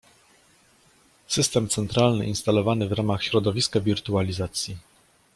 System centralny instalowany w ramach środowiska wirtualizacji